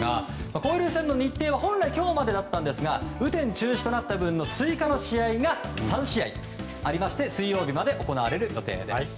交流戦の日程は本来、今日まででしたが雨天中止となった分の追加の試合が３試合あって水曜日まで行われる予定です。